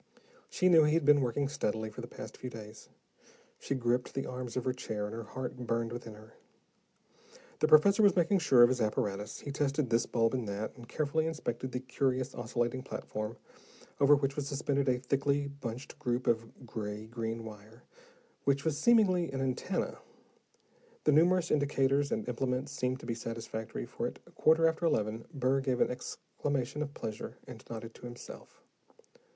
She knew he had been working steadily for the past few days. She gripped the arms of her chair, and her heart burned within her. The professor was making sure of his apparatus. He tested this bulb and that, and carefully inspected the curious oscillating platform, over which was suspended a thickly bunched group of gray green wire, which was seemingly an antenna. The numerous indicators and implements seemed to be satisfactory, for at quarter after eleven Burr gave an exclamation of pleasure and nodded to himself.